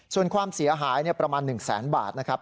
ส่วนความเสียหายประมาณ๑แสนบาทนะครับ